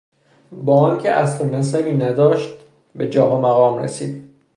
با آنکه اصل و نسبی نداشت به جاه و مقام رسید.